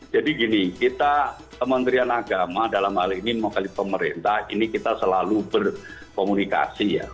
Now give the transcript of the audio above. jadi gini kita kementerian agama dalam hal ini mengalami pemerintah ini kita selalu berkomunikasi ya